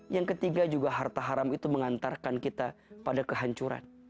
yang ketiga juga harta haram itu mengantarkan kita pada kehancuran